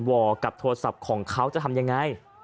กับโทรศัพท์ของเขาจะทำยังไง